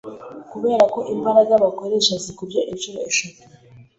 kubera ko imbaraga bakoresha zikubye inshuro eshatu